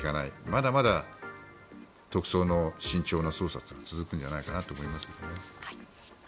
まだまだ特捜の慎重な捜査が続くんじゃないかなと思います。